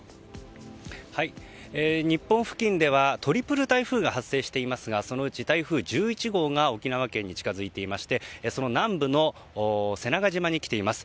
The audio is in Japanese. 日本付近ではトリプル台風が発生していますがそのうち台風１１号が沖縄県に近づいていましてその南部の瀬長島に来ています。